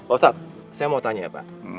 ustadz saya mau tanya ya pak